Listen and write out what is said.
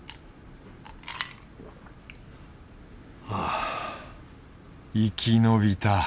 はぁ生き延びた